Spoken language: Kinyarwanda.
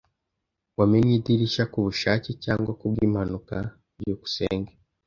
Wamennye idirishya kubushake cyangwa kubwimpanuka? byukusenge